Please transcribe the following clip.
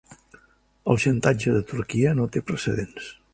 El xantatge de Turquia no té precedents